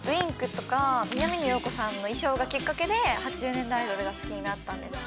Ｗｉｎｋとか南野陽子さんの衣装がきっかけで８０年代アイドルが好きになったんです